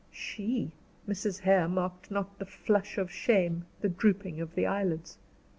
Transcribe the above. She? Mrs. Hare marked not the flush of shame, the drooping of the eyelids.